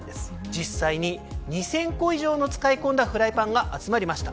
実際に２０００個以上の使い込んだフライパンが集まりました。